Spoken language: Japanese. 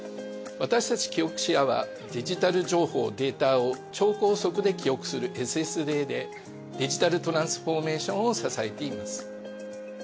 私たちキオクシアはデジタル情報データを超高速で記憶するＳＳＤでデジタルトランスフォーメーションを支えています。